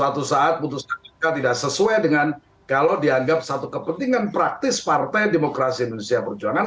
untuk saat itu kita tidak sesuai dengan kalau dianggap satu kepentingan praktis partai demokrasi indonesia berjuangan